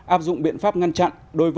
áp dụng biện pháp ngăn chặn